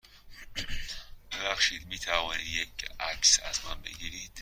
ببخشید، می توانید یه عکس از من بگیرید؟